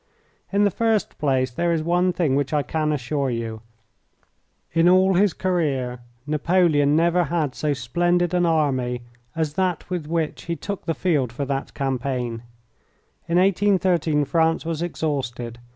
In the first place, there is one thing which I can assure you. In all his career Napoleon never had so splendid an army as that with which he took the field for that campaign. In 1813 France was exhausted.